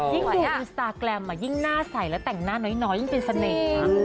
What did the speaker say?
ยิ่งดูอินสตาร์แกรมอ่ะยิ่งหน้าใส่แล้วแต่งหน้าน้อยยิ่งเป็นเสน่ห์ค่ะ